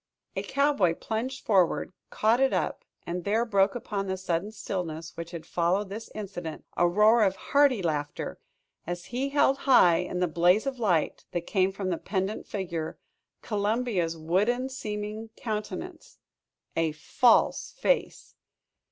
A cowboy plunged forward, caught it up, and there broke upon the sudden stillness which had followed this incident, a roar of hearty laughter, as he held high in the blaze of light that came from the pendent figure, Columbia's wooden seeming countenance a false face!